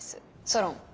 ソロン。